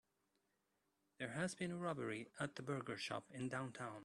There has been a robbery at the burger shop in downtown.